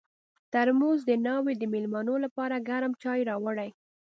ترموز د ناوې د مېلمنو لپاره ګرم چای راوړي.